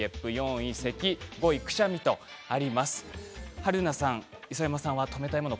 春菜さん、磯山さんは止めたいもの